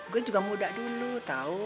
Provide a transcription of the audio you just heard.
gue juga muda dulu tahu